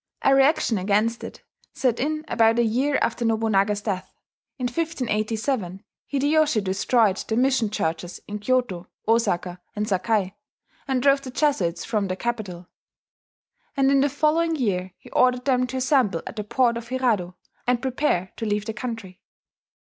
A reaction against it set in about a year after Nobunaga's death. In 1587 Hideyoshi destroyed the mission churches in Kyoto, Osaka, and Sakai, and drove the Jesuits from the capital; and in the following year he ordered them to assemble at the port of Hirado, and prepare to leave the country.